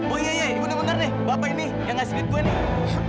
oh iya iya iya bener bener nih bapak ini yang ngasih duit gue nih